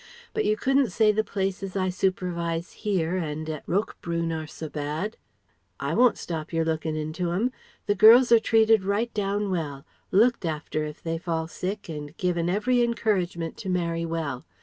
But you couldn't say the places I supervise here and at Roquebrune are so bad? I won't stop your looking into 'em. The girls are treated right down well. Looked after if they fall sick and given every encouragement to marry well.